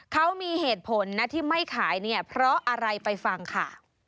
เขามีเหตุผลนะที่ไม่ขายเนี่ยเพราะอะไรไปฟังค่ะ